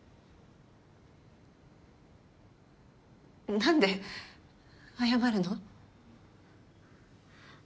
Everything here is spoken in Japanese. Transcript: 何で謝るの？